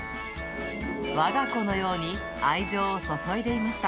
わが子のように愛情を注いでいました。